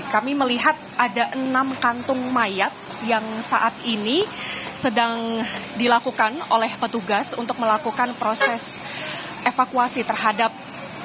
kami melihat ada enam kantung mayat yang saat ini sedang dilakukan oleh petugas untuk melakukan proses evakuasi terhadap